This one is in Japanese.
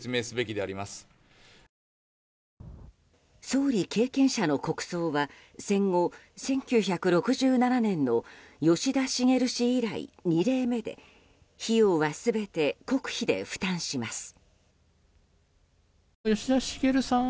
総理経験者の国葬は戦後１９６７年の吉田茂氏以来２例目で費用は全て国費で負担します。